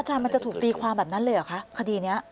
มันจะถูกตีความแบบนั้นเลยเหรอคะคดีนี้